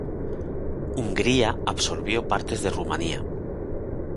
Hungría absorbió partes de Rumania.